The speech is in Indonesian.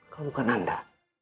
kau bukan anda